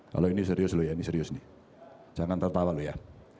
kalau ini serius loh ya ini serius nih jangan tertawa loh ya